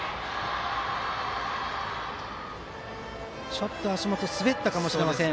ちょっと足元滑ったかもしれません。